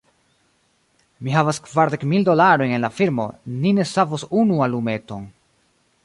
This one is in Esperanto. Mi havis kvardek mil dolarojn en la firmo; ni ne savos unu alumeton.